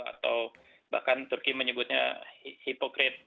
atau bahkan turki menyebutnya hipograde